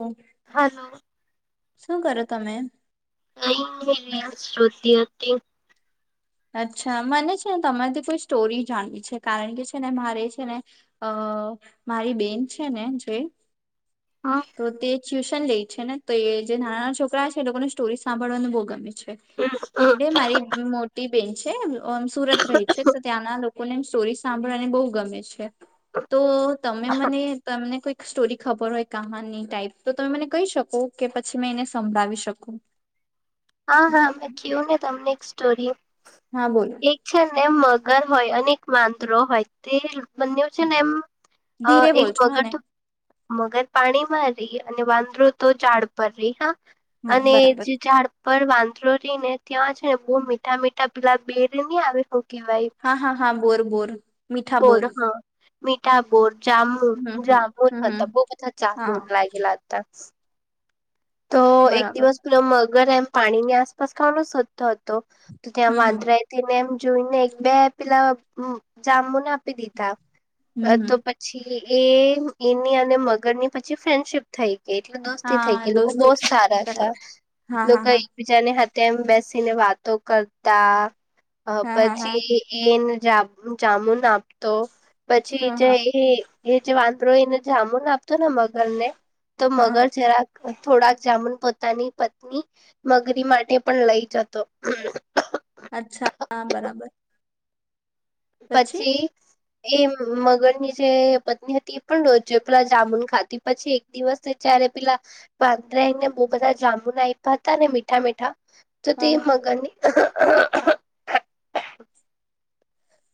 ઓ hello શું કરો તમે કઈ ની મેચ જોતી હતી અચ્છા મને છે ને તમારેથી કોઈ સ્ટોરી જાણવી છે કારણ કે છે ને મારે છે ને અ મારી બેન છે ને જે હ તો તે ટ્યુશન લે છે ને તો એ જે નાના નાના છોકરા છે એ લોકોને સ્ટોરી સાંભળવાને બોહ ગમે છે હમ. એ મારી મોટી બેન છે સુરત રહે છે તો ત્યાંના લોકોને સ્ટોરી સાંભળવાને બોહ ગમે છે તો તમે મને તમને કોઈક સ્ટોરી ખબર હોય કહાની ટાઈપ તો તમે મને કહી શકો કે પછી મેં એને સંભળાવી શકું હા હા મેં કયું ને તમને એક સ્ટોરી હા બોલો એક છે ને મગર હોય અને એક વાંદરો હોય તે બનેવ છે ને એમ ધીરે એક બોલજો હા મગર ને તો મગર પાણીમાં રિયે અને વાંદરો તો ઝાડ પર રિયે હા હા અને બરાબર. જે ઝાડ પર વાંદરો રહી ને ત્યાં છે ને બોહ મીઠા મીઠા પેલા બેર ની આવે શું કહેવાય હા હા હા બોર બોર બોર હ મીઠા બોર. જામુન હમ હમ જામુન હમ હમ હતા બહુ બધા હા જામુન લાગેલા હતા. તો એક બરાબર દિવસ પેલો મગર એમ પાણીની આસપાસ ખાવાનો શોધતો હતો. તો ત્યાં હમ હમ વાંદરાય તેને એમ જોઈને એક બે પેલા જામુન આપી દીધા. અ હમ હમ તો પછી એ એની અને મગરની પછી ફ્રેન્ડશીપ થઈ ગઈ એટલ દોસ્તી થઈ હા ગઈ લોકો દોસ્તી બોહ થઈ સારા હતા બરાબર હા એટલુ હા કઈ હા બીજાને હાતે એમ બેસીને વાતો કરતા હા હા હા પછી એ એને જામુન આપતો પછી હા જે હા એ એ જે વાંદરો એને જામુન આપતો ને મગર ને તો હા મગર જરાક થોડાક જામુન પોતાની પત્ની મગરી માટે પણ લઈ જતો. અચ્છા હા બરાબર. પછી એ મગરની જે પત્ની હતી એ પણ રોજ પેલા જામુન ખાી પછી એક દિવસે જયારે પેલા વાંદરાને બોહ બધા જામુન આપ્યા હતા ને મીઠા-મીઠા તો તે હા મગરને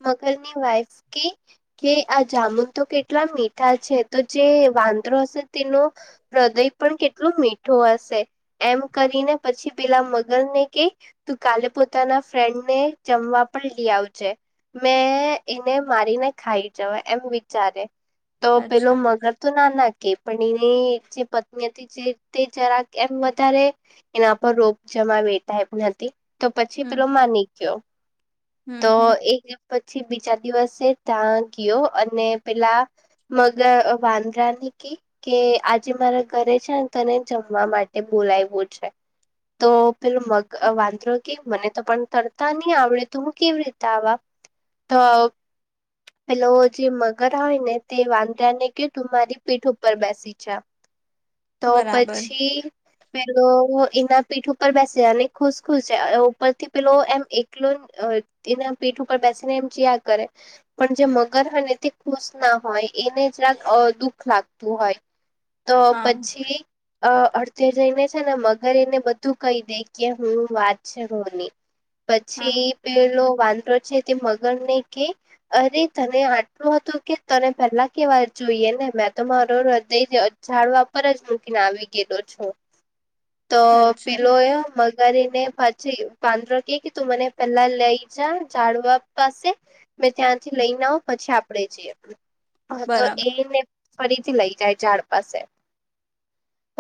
મગરની વાઈફ કે કે આ જામુન તો કેટલા મીઠા છે તો જે વાંદરો હશે તેનો હૃદય પણ કેટલું મીઠું હશે એમ કરીને પછી પેલા મગર ને કે તું કાલે પોતાના ફ્રેન્ડ ને જમવા પણ લઈ આવજે. મેં એને મારીને ખાઈ જવા એમ વિચારે તો પેલું અચ્છા મગર તો ના ના કે પણ એની જે પત્ની હતી જે તે જરાક એમ વધારે એના પર રોબ જમાવે એ ટાઈપ ની હતી તો પછી હમ પેલો માની ગયો. હમ તો હમ એક દિવસ પછી બીજા દિવસે તા ગયો અને પેલા મગ વાંદરા ને કે કે આજે મારા ઘરે છે ને તને જમવા માટે બોલાઇવો છે. તો પેલું મગ વાંધરો કે મને તો પણ તરતા નહી આવડે તો હું કેવી રીતે આવા. તો પેલો જે મગર હોય ને તે વાંધા ને કે તું મારી પીઠ ઉપર બેસ નીચે આવ. [inaudible] તો પછી પેલો એના પીઠ ઉપર બેસે અને ખુશખુશ છે ઉપરથી પેલો એમ એક એકલોન અ એના પેટ ઉપર બેસીને એમ જઇઆ કરે. પણ જે મગર હોય ને તે ખુશ ના હોય એને જરાક અ દુઃખ લાગતું હોય. [inaudible] તો પછી અ અડધે જઈને છે ને મગર એને બધું કહી દે કે હું વાત છે હું ની. [inaudible] પછી પેલો વાંદરો છે તે મગર ને કેય અરે તને આટલું હતું કે તને પેલા કેવા જોઈએ ને મેં તો મારો હૃદય જાડવા પર જ મૂકીને આવી ગયેલો છું. [inaudible] તો અચ્છા પિલો એ મ મગર એને પછી પાંદરો કેય કે તું મને પેલા લઈ જા ઝડવા પાસે મે ત્યાંથી લઈને આવું પછી આપડે જઈએ તો બરાબર એને ફરીથી લઈ જાય ઝાડ પાસે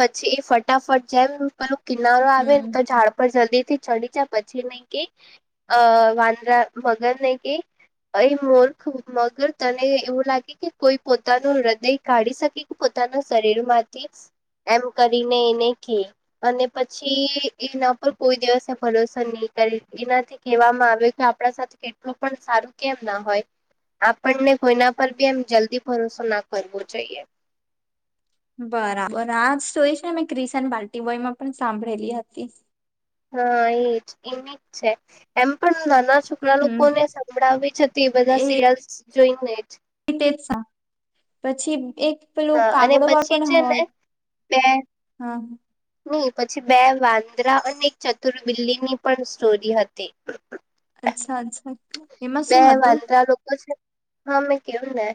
પછી એ ફટાફટ જેમ પેલો કિનારો આવે ને હમ તો ઝાડપ પણ જલ્દી થી ચડી જાય પછી નહી કે અ વાંદરા મગર ને કેય એ મૂર્ખ મગર તને એવું લાગે કે કોઈ પોતાનું હૃદય કાઢી શકે કે પોતાના શરીર માંથી. એમ કરીને એને કેય. અને પછી એના પર કોઈ દિવસે ભરોસ નઈ કરે એનાથી કહેવામાં આવ્યું કે આપણા સાથે કેટલું પણ સારું કેમ ના હોય આપણને કોઈના પર બી એમ જલ્દી ભરોસો ના કરવો જોઈએ બરાબર આજ સ્ટોરી છે ને ન મેં ક્રિસન બાર્ટીબોય માં પણ સાંભળેલી હતી હા એજ એની જ છે એમ પણ નાના છોકરા હમ લોકોને સંભળાવી જ હતી એ બધા સિરયલ્સ જોઈને જ [inaudible] પછી એક પેલું હા અને કાગળો પછી પણ છે હોત ને બે હા ની પછી બે વાંદ્રા અને એક ચતુર બિલ્લીની પણ સ્ટોરી હતી અચ્છા અચ્છા એમાં બે શું હતું વાંદરા લોકો છે હા મેં કેવું ને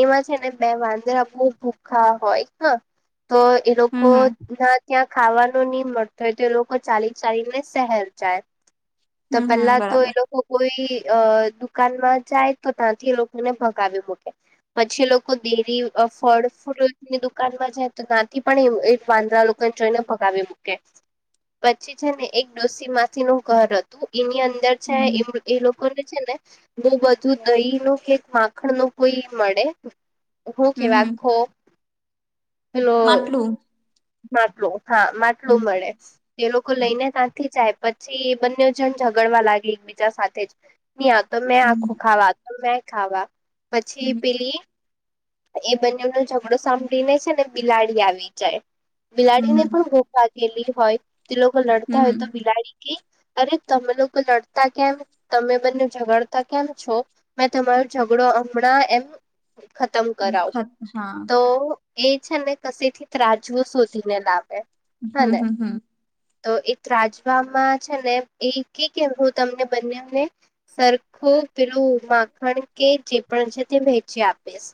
એમાં છે ને બે વાંદરા બો ભૂખા હોય હ તો એ હમ લોકો હમ ના ત્યાં ખાવાનું ની મળતુ હોય તો એ લોકો ચાલી ચાલીને સહેર જાય તો હમ હમ પેલા તો એ બરાબર લોકો કોઈ અ દુકાનમાં જાય તો ત્યાંથી એ લોકોને ભગાવી મુંકે પછી એ લોકો ડેરી ફળ ફુલની દુકાનમાં જાય તો ત્યાંથી પણ વાંદરા લોકો જોઈને ભગાવી મૂકે પછી છે ને એક ડોસી માંસી નું ઘર હતું એનીં અદર અંદર હમ હમ છે એ લોકો છે ને બો બધું દહી નું કે માખણ નું કોઈ મળે હું હમ કેવાય હમ આખો પેલો માટલું માટલુ હા માટલુ મળે હમ તે લોકો હમ લઈને ત્યાંથી જાય પછી બંને જણ ઝગડવા લાગી એકબીજા સાથે જ ની આ તો મેં આખું હમ ખાવા મેં ખાવા પછી પેલી એ બંને નો ઝઘડો સાંભળીને છે ને બિલાડી આવી જાય બિલાડીને હમ પણ ભુ લાગેલી હોય તે લોકો લડતા હમ હોય તો હમ બિલાડી કેય તમે લોકો લડતા કેમ તમે બંને ઝઘાડતા કેમ છો મેં તમારો ઝઘડો હમણાં એમ ખતમ કરાવું ખત હા તો એ છે ને કશેથી ત્રાજવું શોધીને લાવે હ હમ ને હમ હમ તો એ ત્રાજમાં છે ને એ કેય કે હું તમને બંનેને સરખું પેલુ માખણ કે જે પણ છે તે વહેચી આપીશ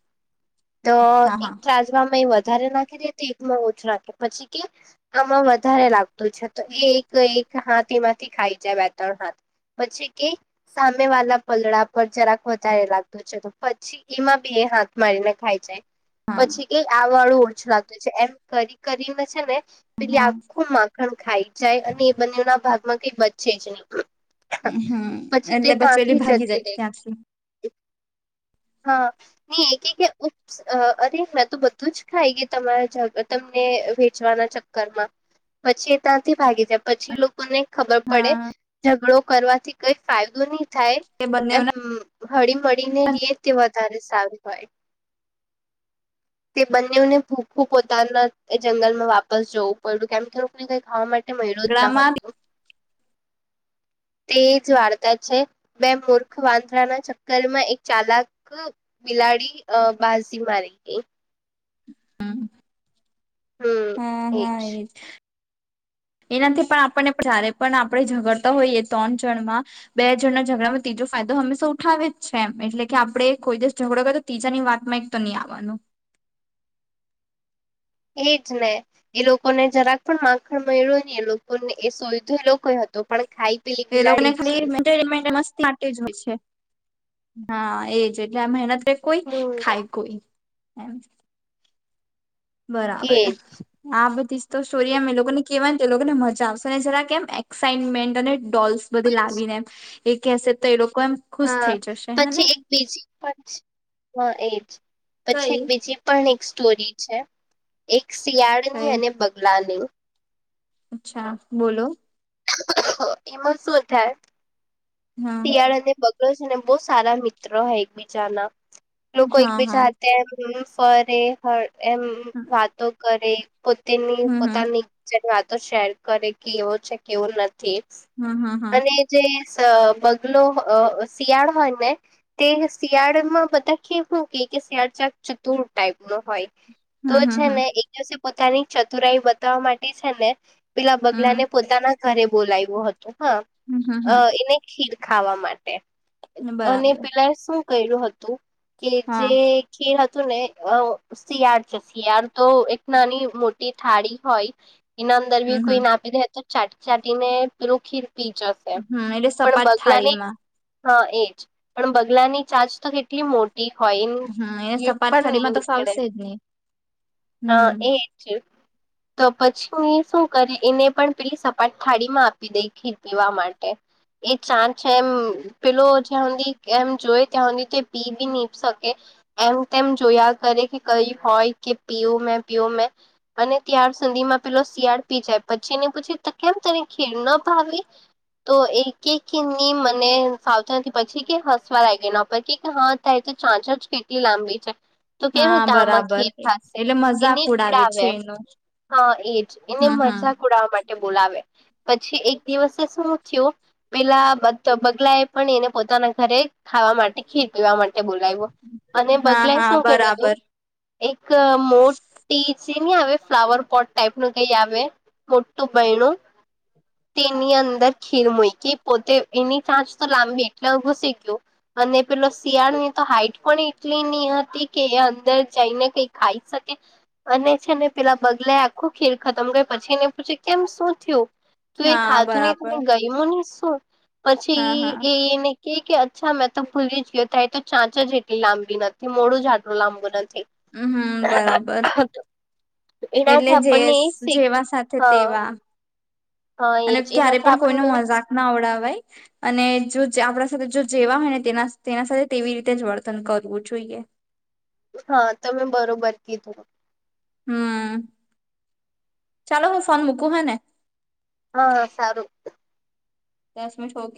તો હા હા એક તેરજવામાં વધારે નાખી દે તી એકમાં ઓછું નાખે પછી કેય આમાં વધારે લાગતું છે તો એ એક એક હાથ એમાંથી ખાઈ જાય બે ત્રણ હાથ પછી કે સામે વાલા પલળા પર જરાક વધારે લાગતું છે તો પછી એમાં બી એ હાથ મારીને ખાઈ જાય હા પછી કે આ વાળું ઓછું લાગતું છે એમ કરી કરીને છે ને પેલી હા આખું માખણ ખાઈ જાય અને એ બંનેના ભાગમાં કઈ બચે જ નહીં હમ્મ એટલે બસ પેલી ત્યાંથી ભાગી જતી જાય રે ત્યાંથી હા નહી એ કે કેમ અરે મેં તો બધું જ ખાઈ ગઈ તમારા તમને વેચવાના ચક્કરમાં પછી એ ત્યાંથી ભાગી જાય પછી લોકોને ખબર પડે હા ઝઘડો કરવાથી કઈ ફાયદો નહી થાય એ બંને એમ હળી મળી ને રીએ તે વધારે સારું હોય [inaudible] તે બંનેને ભૂખું પોતાના જંગલમાં વાપસ જવું પઈડુ કેમ એમને કઈ ખાવા માટે મળ્યું જ ન ઝઘડામાં હતું તે જ વાર્તા છે બે મૂર્ખ વાંદરાના ચક્કર માં એક ચાલાક બિલાડી અ બાઝી મારી ગઈ હમ્મ હમ્મ એજ એનાથી પણ આપણને પધારે પણ આપણે ઝગડતા હોઈએ ત્રણ જણમાં બે જણ ના ઝઘડામાં ત્રીજો ફાયદો હંમેશા ઉઠાવે જ છે એમ એટલે કે આપડે કોઈ દિવસ ઝઘડો કરે ત્રીજાની વાતમાં એક તો નહી આવવાનું. એજ ને, એ લોકોને જરાક પણ માખણ મળ્યું ને એ લોકોને એ સોઈધો એ લોકો હતો પણ ખાઈ પેલી એ લોકો ને બિલાડી ખાલી અક ગઈ મે કે મહિને મસ્તી માટે જ હોય છે હા એજ એટલે આ મહેનત- કોઈ હમ ખાય કોઈ. બરાબર. એજ આ બધી જ તો સ્ટોરી એમ એ લોકોને કેહેવાય ને એ લોકોને મજા આવશે ને જરા કેમ એક્સાાઈટમેન્ટ અને ડોલ્સ બધી લાવીને એમ એ કહેસે તો એ લોકો એમ ખુશ હા થઈ જશે હેને પછી એક બીજી પણ હા એજ પછી કઈ એક બીજી પણ એક સ્ટોરી છે એક કઈ શિયાળની અને બગલાની. અચ્છા બોલો. એમાં શું થાય? હા શિયાળ અને બગલો છે ને બવ સારા મિત્ર હોય એકબીજાના લોકો હા હા એકબીજા. તેમ ફરે એમ હમ વાતો કરે પોતેની હમ પોતાની જે વાતો શેર કરે કે એવો છે કેવું નથી. હમ હા હા. અને જે શ બગલો શિયાળ હોય ને તે શિયાળમાં બધા કે શું કેઈ કે શિયાળ ચાક ચતુર ટાઈપ નો હોય. તો હમ હમ છે હમ ને એક દિવસે પોતાની ચતુરાઈ બતાવવા માટે છે ને પેલા બગલા ને હમ પોતાના ઘરે બોલાવ્યું હતું હમ હમ હા એને ખીર ખાવા માટે? હમ અને બરાબર પેલા છે શું કર્યું હતું કે હા જે ખીર હતું ને શિયાળ છે શિયાળ તો એક નાની મોટી થાળી હોય. એના અંદર બી હમ કોઈ હમ નાખી દે તો ચાટી ચાટીને પલું ખીર પી જશે. હમ એટલે પણ સપાટ બગલાની થાળીમાં હા એજ પણ બગલાની ચાંચ તો કેટલી મોટી હમ એને હોય સપાટ પણ નઈ થાળીમાં તો નીકળે ફાવશે જ નહી હ હમ એ. જ તો પછીઈ શું કરે એને પણ પેલી સપાટ થાળી માં આપી દઈ ખી પીવા માટે. એ ચા છે એમ પેલો જ્યાં સુધી એમ જોય ત્યાં સુધી તે પી બી ની શકે. એમ તેમ જોયા કરે કે કઈ હોય કે પીવું મેં પીું મે અને ત્યાર સુધી માં પેલો શિયાળ પી જાય પછી ને પૂછી કેમ તને ખીર ના ભાવી તો એ ની મને સાવધાાનથી પછી કે હસવા લ આવી ગના ઉપર કે હા તો ચાંચ જ કેટલી લાંબી છે. તું કેવી હા રીતે આમાં બરાબર ખીર ખાશે એટલે મજાક એની ઉડાવે છે એનો હા એજ એને હમ મજાક હમ ઉડાવવા માટે બોલાવે. પછી એક દિવસે શું થયુ પેલા બગલા એ પણ એને પોતાના ઘરે ખાવા માટે ખીર પીવા માટે બોલાવ્યો અને હા બગલા હા શું કર્યું તુ બરાબર એક મોટી જે નની આવે ફ્લાવર પોટ ટાઈપ ન કઈ આવે. મોટું બહેણું તેની અંદર ખીર મુઈકી પોતે એની ચાંચ તો લાંબી એટલે ઉઘુંસી ગયયો. અને પેલો શિયાળુની તો હાઈટ પણ એટલીની હતી કે એ અંદર જઈને કઈ ખાઈ શકે અને છે ને પેલા બગલે આખું ખીર ખતમ કર પછી ને પૂછે કેમ શું થયુ. તું એ હા ખાતું ને તને બરાબર ગયમ હી, શું હા હા પછી એને કે કે અચ્છા મેં તો ભૂલી ગયો ત તો ચાંચા જેટલી લાંબી નથી મોડું જાટલું લાંબુ નથી. હમ હમ બરાબર એટલે એનાથી જે આપણને એ શીખ જેવા સાથે હા તેવા હા અને એજ ક્યારે એનાથી પણ કોઈ ન આપણને મજાક ના આવવડાવવાય. અને જો આપણા સાથે જો જેવા હોય ને તે તેના સાથે તેવી રીતે જ વર્તન કરવું જોઈએ. હા તમે બરોબર કીધુ હમ્મ ચાલો હું ફોન મુૂકું હ ને હા સારું દસમ શો ગ